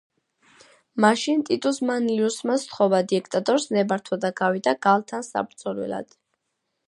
მაშინ ტიტუს მანლიუსმა სთხოვა დიქტატორს ნებართვა და გავიდა გალთან საბრძოლველად.